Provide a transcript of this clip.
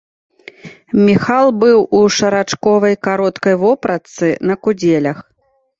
Міхал быў у шарачковай кароткай вопратцы на кудзелях.